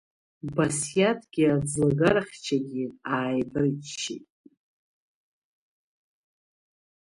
Басиаҭгьы аӡлагарахьчагьы ааибарччеит.